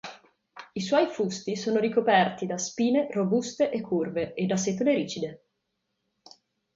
I suoi fusti sono ricoperti da spine robuste e curve e da setole rigide.